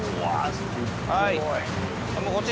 すっごい。